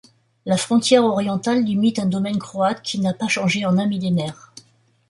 La frontière orientale limite un domaine croate qui n'a pas changé en un millénaire.